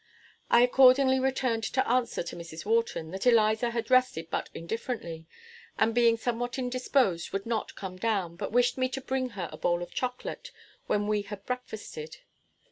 I accordingly returned for answer to Mrs. Wharton, that Eliza had rested but indifferently, and being somewhat indisposed, would not come down, but wished me to bring her a bowl of chocolate, when we had breakfasted.